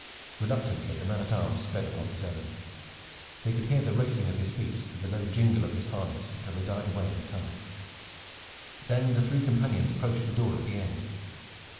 Reluctantly the man at arms sped upon his errand. They could hear the racing of his feet and the low jingle of his harness until they died away in the tunnel. Then the three companions approached the door at the end.